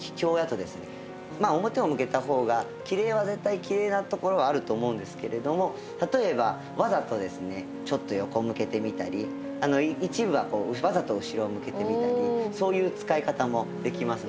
まあ表を向けた方がきれいは絶対きれいなところはあると思うんですけれども例えばわざとですねちょっと横向けてみたり一部はわざと後ろを向けてみたりそういう使い方もできますので。